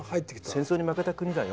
戦争に負けた国だよ。